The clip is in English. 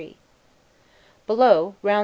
Below, round S.